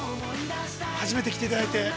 初めて来ていただいて。